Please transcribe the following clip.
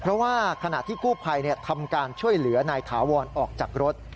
เพราะว่าขณะที่กู้ภัยทำการช่วยเหลือนายถาวรออกจากรถ